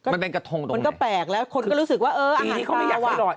มันก็แปลกและก็รู้สึกว่าอย่างหักตาว